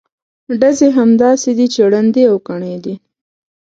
ډزې هم داسې دي چې ړندې او کڼې دي.